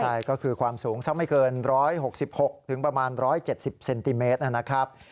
ใช่ก็คือความสูงเช่าไม่เกิน๑๖๖๑๗๐เซนติเมตรนะครับ